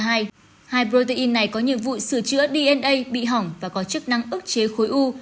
hai protein này có nhiều vụ sửa chữa dna bị hỏng và có chức năng ức chế khối u